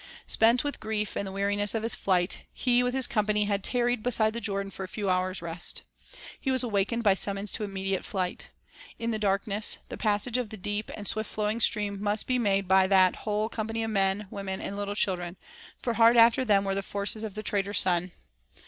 Spent with grief and the weariness of his flight, he with his com pany had tarried beside the Jordan for a few hours' rest. He was awakened by the summons to immediate flight. In the darkness, the passage of the deep and 1 Ps. 23 : 1 4. ' l Ps. 63: 1 7, R. V.; 42:11; 27:1. Poetry and Song 165 swift flowing stream must be made by that whole com pany of men, women, and little children; for hard after them were the forces of the traitor son.